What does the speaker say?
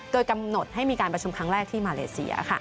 โดยกำหนดให้มีการประชุมครั้งแรกที่มาเลเซีย